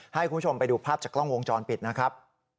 ให้คุณผู้ชมไปดูภาพจากกล้องวงจรปิดนะครับ